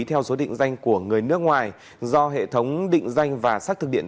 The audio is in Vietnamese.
theo số định danh của người nước ngoài do hệ thống định danh và xác thực điện